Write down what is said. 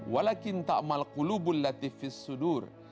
walakin ta'mal kulubu latifis sudur